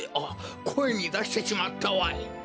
あっこえにだしてしまったわい！